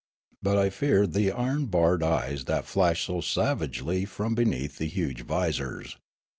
But I feared the iron barred eyes that flashed so savagely from beneath the huge visors.